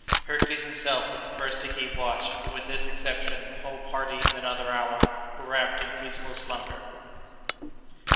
Hercules himself was the first to keep watch, but with this exception, the whole party, in another hour, were wrapped in peaceful slumber.